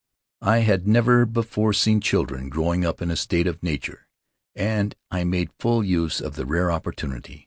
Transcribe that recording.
I had never before seen children growing up in a state of nature and I made full use of the rare opportunity.